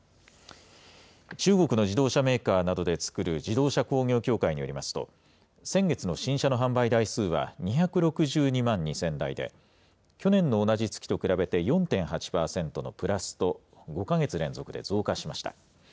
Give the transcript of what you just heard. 中国の自動車メーカーなどでつくる自動車工業協会によりますと、先月の新車の販売台数は２６２万２０００台で、去年の同じ月と比べて４．８％のプラスと、５か月連続で増加しました。